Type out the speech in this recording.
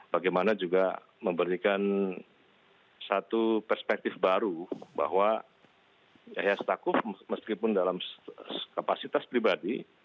bagaimana juga memberikan satu perspektif baru bahwa yahya stakuf meskipun dalam kapasitas pribadi